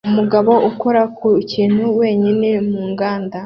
Umugabo ukora ku kintu wenyine mu nganda